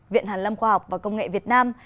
viện hàn lâm khoa học và công nghệ việt nam